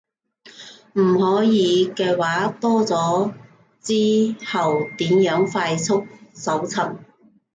唔可以嘅話，多咗之後點樣快速搜尋